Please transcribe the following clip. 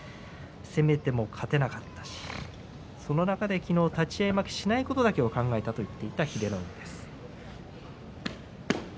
攻めても勝てなかったしその中で立ち合い負けしないことだけを考えたという英乃海です。